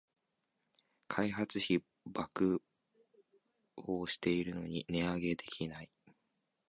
開発費暴騰してるのに値上げできない